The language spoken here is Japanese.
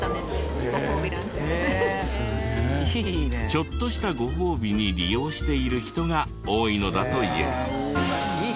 ちょっとしたご褒美に利用している人が多いのだという。